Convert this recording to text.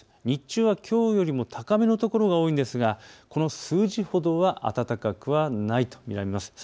日中はきょうよりも高めの所が多いですがこの数字ほどは暖かくはないと見られます。